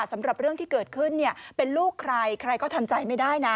สำหรับเรื่องที่เกิดขึ้นเนี่ยเป็นลูกใครใครก็ทำใจไม่ได้นะ